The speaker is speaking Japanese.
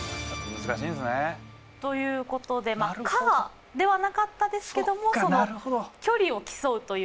難しいんすね。ということでまあカーではなかったですけどもその距離を競うという意味。